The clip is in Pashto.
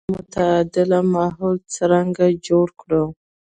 په ټولنه کې معتدل ماحول څرنګه جوړ کړو.